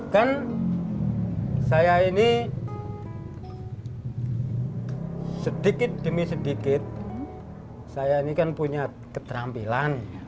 kan saya ini sedikit demi sedikit saya ini kan punya keterampilan